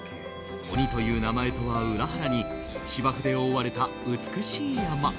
鬼という名前とは裏腹に芝生で覆われた美しい山。